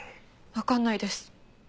わかんないです。